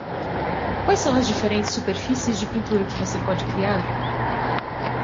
Quais são as diferentes superfícies de pintura que você pode criar?